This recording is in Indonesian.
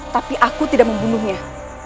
tapi aku tidak membunuhnya